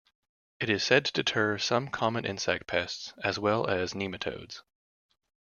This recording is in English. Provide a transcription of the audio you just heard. It is said to deter some common insect pests, as well as nematodes.